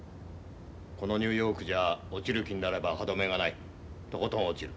このニューヨークじゃ落ちる気になれば歯止めがないとことん落ちる。